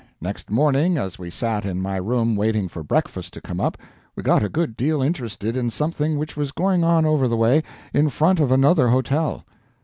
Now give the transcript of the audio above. Next morning, as we sat in my room waiting for breakfast to come up, we got a good deal interested in something which was going on over the way, in front of another hotel.